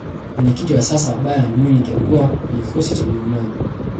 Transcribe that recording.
mwenyekiti wa sasa wa bayern munich alikuwa kwenye kikosi cha ujerumani